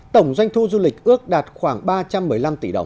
tổng doanh thu du lịch ước đạt khoảng ba trăm một mươi năm tỷ đồng